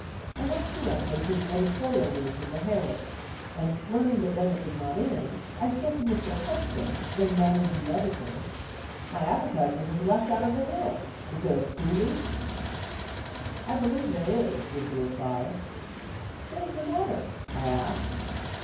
I went directly to the editorial rooms of the Herald; and learning that Bennett was not in, I said to Mr. Hudson, then managing editor: "My advertisement is left out of the Herald; is there a screw loose?" "I believe there is," was the reply. "What is the matter?" I asked.